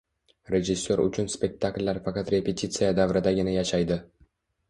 Rejissyor uchun spektakllar faqat repetitsiya davridagina yashaydi.